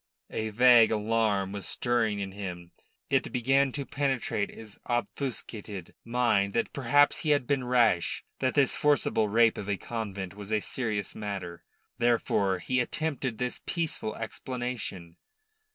A vague alarm was stirring in him. It began to penetrate his obfuscated mind that perhaps he had been rash, that this forcible rape of a convent was a serious matter. Therefore he attempted this peaceful explanation.